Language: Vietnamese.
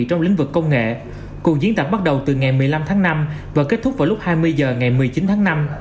trong lĩnh vực công nghệ cuộc diễn tập bắt đầu từ ngày một mươi năm tháng năm và kết thúc vào lúc hai mươi h ngày một mươi chín tháng năm